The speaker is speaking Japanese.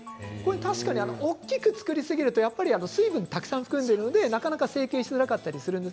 確かに大きく作りすぎると水分をたくさん含んでいるのでなかなか成形できないので。